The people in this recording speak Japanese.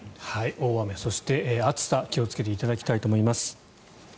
大雨、そして暑さに気をつけていただきたいと思います。